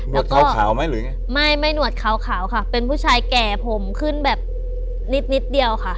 วดขาวไหมหรือไงไม่ไม่หนวดขาวขาวค่ะเป็นผู้ชายแก่ผมขึ้นแบบนิดนิดเดียวค่ะ